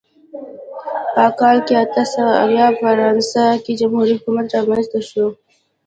په کال اته سوه اویا په فرانسه کې جمهوري حکومت رامنځته شو.